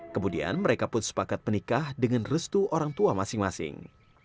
kemudian mereka pun sepakat menikah dengan restu orang tua masing masing